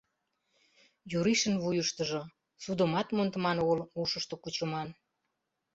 Юришын вуйыштыжо: «Судымат мондыман огыл, ушышто кучыман.